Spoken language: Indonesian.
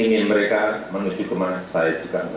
ingin mereka menuju kemana saya juga